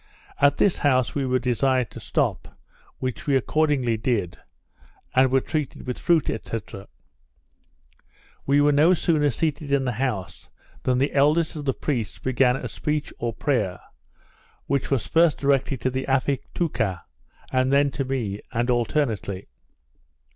At this house we were desired to stop, which we accordingly did, and were treated with fruit, &c. We were no sooner seated in the house, than the eldest of the priests began a speech or prayer, which was first directed to the Afiatouca, and then to me, and alternately.